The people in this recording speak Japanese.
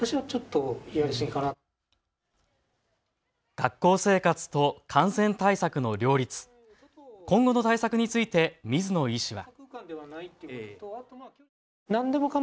学校生活と感染対策の両立、今後の対策について水野医師は。